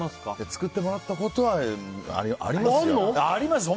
作ってもらったことはありますよ。あります。